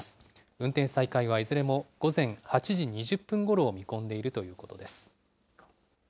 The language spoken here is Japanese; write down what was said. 運転再開はいずれも午前８時２０分ごろを見込んでいるということです。